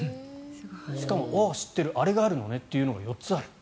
しかもああ知ってる、あれがあるのねというのが４つある。